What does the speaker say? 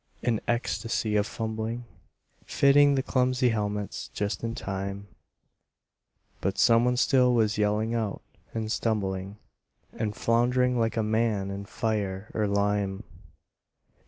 An ecstasy of fumbling Fitting the clumsy helmets just in time, But someone still was yelling out and stumbling And flound'ring like a man in fire or lime.